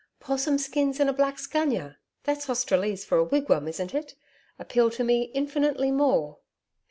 'Possum skins and a black's gunya that's Australese for a wigwam, isn't it? appeal to me infinitely more.'